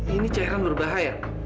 ini cairan berbahaya